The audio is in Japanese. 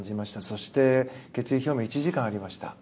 そして決意表明１時間ありました。